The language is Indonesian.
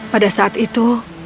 pada saat itu